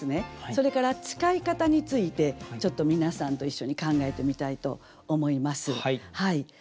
それから使い方についてちょっと皆さんと一緒に考えてみたいと思います。